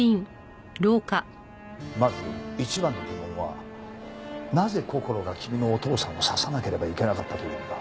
まず一番の疑問はなぜこころが君のお父さんを刺さなければいけなかったというのか。